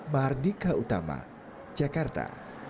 mardika utama jakarta